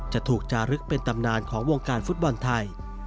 จะถูกจารึกเป็นตำนานของวงการฟุตบอลไทย